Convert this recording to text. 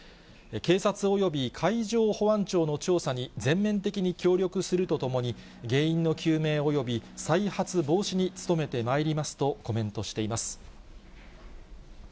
警察および海上保安庁の調査に全面的に協力するとともに、原因の究明および再発防止に努めてまいりますとコメントしています。